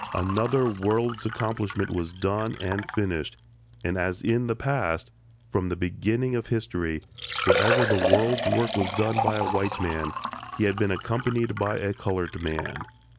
Another world's accomplishment was done and finished, and as in the past, from the beginning of history, wherever the world's work was done by a white man, he had been accompanied by a colored man.